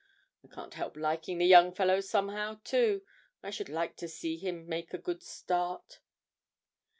I can't help liking the young fellow somehow, too. I should like to see him make a good start.'